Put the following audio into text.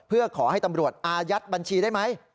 เพื่อขอให้ตำรวจอายัดบัญชีได้ไหม